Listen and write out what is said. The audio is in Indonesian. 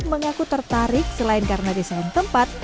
mengaku tertarik selain karena desain tempat